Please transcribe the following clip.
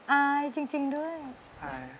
อายจริงด้วยอาย